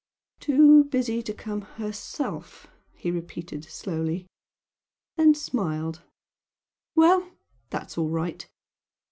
"Too busy to come herself!" he repeated, slowly then smiled "Well! That's all right!"